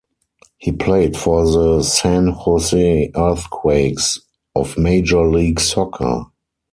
He played for the San Jose Earthquakes of Major League Soccer.